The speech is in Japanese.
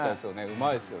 うまいですよね。